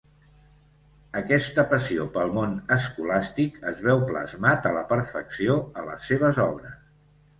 Aquesta passió pel món escolàstic es veu plasmat a la perfecció a les seves obres.